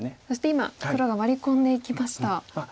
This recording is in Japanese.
そして今黒がワリ込んでいきました。